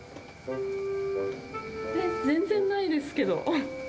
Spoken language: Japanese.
全然ないですけど。